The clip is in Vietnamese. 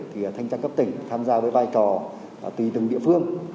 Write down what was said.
thì thanh tra cấp tỉnh tham gia với vai trò tùy từng địa phương